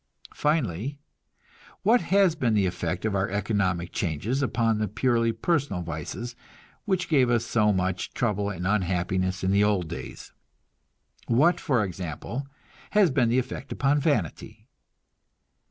Finally, what has been the effect of our economic changes upon the purely personal vices which gave us so much trouble and unhappiness in the old days? What, for example, has been the effect upon vanity?